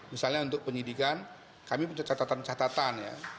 misalnya untuk penyidikan kami punya catatan catatan ya